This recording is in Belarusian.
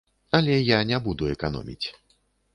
Але я не буду эканоміць.